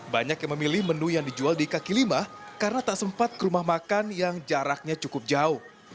banyak yang memilih menu yang dijual di kaki lima karena tak sempat ke rumah makan yang jaraknya cukup jauh